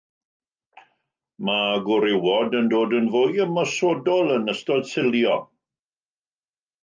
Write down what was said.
Mae gwrywod yn dod yn fwy ymosodol yn ystod silio.